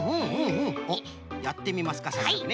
おっやってみますかさっそくね。